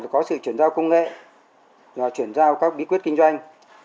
có sự chuyển giao công nghệ chuyển giao các bí quyết kinh doanh